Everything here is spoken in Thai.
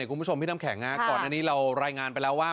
คุณผู้ชมพี่น้ำแข็งก่อนอันนี้เรารายงานไปแล้วว่า